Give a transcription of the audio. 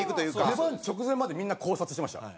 出番直前までみんな考察してました。